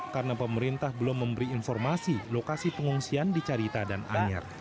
karena pemerintah belum memberi informasi lokasi pengungsian di carita dan anyar